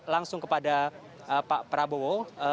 langsung kepada pak prabowo